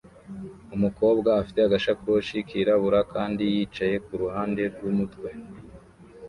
Umukobwa afite agasakoshi kirabura kandi yicaye kuruhande rwumutwe